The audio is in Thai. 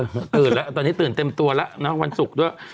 ตื่นแล้วตอนนี้ตื่นเต็มตัวแล้วนะวันศุกร์ด้วย